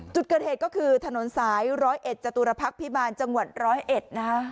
จุดกระเทศก็คือถนนสาย๑๐๑จตุรพักษ์พิบาลจังหวัด๑๐๑นะ